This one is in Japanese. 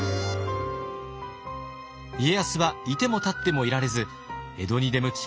家康はいてもたってもいられず江戸に出向き